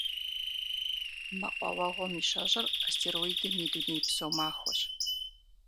Мэкъуауэгъуэм и щэщIыр Астероидым и дунейпсо махуэщ.